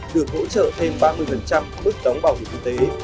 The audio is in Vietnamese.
được hỗ trợ thêm ba mươi mức đóng bảo hiểm y tế